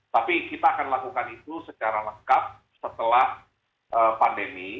tapi kita akan lakukan itu secara lengkap setelah pandemi